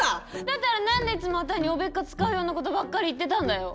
だったらなんでいつもあたいにおべっか使うような事ばっかり言ってたんだよ？